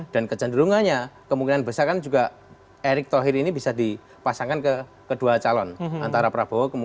dan kecenderungannya kemungkinan besar kan juga erik thohir ini bisa dipasangkan ke kedua calon antara prabowo